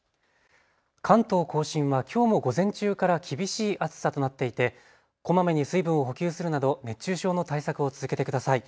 関東甲信はきょうも午前中から厳しい暑さとなっていてこまめに水分を補給するなど熱中症の対策を続けてください。